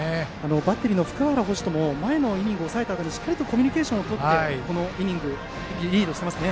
バッテリーの福原捕手とも前のイニングを抑えたあとにしっかりコミュニケーションをとってこのイニング、リードしてます。